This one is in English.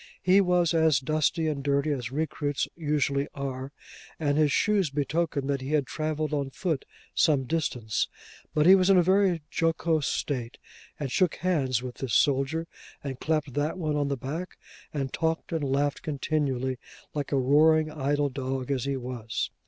He was as dusty and dirty as recruits usually are, and his shoes betokened that he had travelled on foot some distance, but he was in a very jocose state, and shook hands with this soldier, and clapped that one on the back, and talked and laughed continually, like a roaring idle dog as he was.